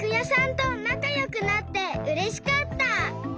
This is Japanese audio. となかよくなってうれしかった！